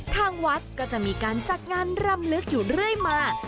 ทางวัดก็จะมีการจัดงานรำลึกอยู่เรื่อยมา